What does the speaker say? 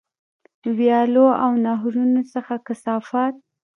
ویالو او نهرونو څخه کثافات.